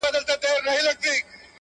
توري جامې ګه دي راوړي دي; نو وایې غونده;